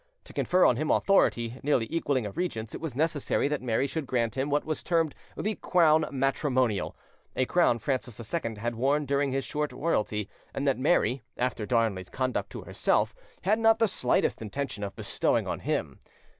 To confer on him authority nearly equalling a regent's, it was necessary that Mary should grant him what was termed the crown matrimonial—a crown Francis II had worn during his short royalty, and that Mary, after Darnley's conduct to herself, had not the slightest intention of bestowing on him.